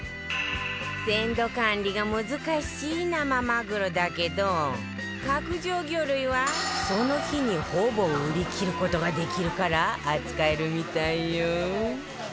鮮度管理が難しい生マグロだけど角上魚類はその日にほぼ売り切る事ができるから扱えるみたいよ